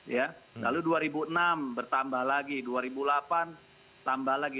ya lalu dua ribu enam bertambah lagi dua ribu delapan tambah lagi